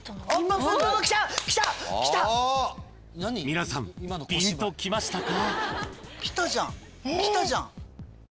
［皆さんぴんときましたか？］